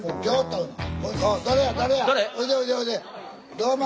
どうも。